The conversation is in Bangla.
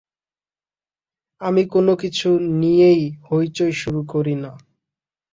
আমি কোনো কিছু নিযেই হৈচৈ শুরু করি না।